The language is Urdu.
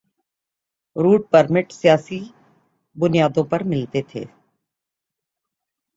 روٹ پرمٹ سیاسی بنیادوں پہ ملتے تھے۔